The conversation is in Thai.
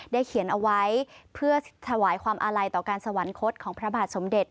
เขียนเอาไว้เพื่อถวายความอาลัยต่อการสวรรคตของพระบาทสมเด็จ